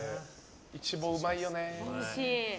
イチボうまいよね。